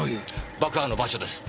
爆破の場所です。